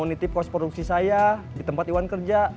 mau nitip kos produksi saya di tempat iwan kerja